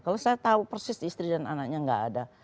kalau saya tahu persis istri dan anaknya nggak ada